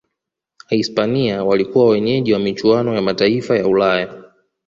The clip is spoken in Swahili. hispania walikuwa wenyeji wa michuano ya mataifa ya ulaya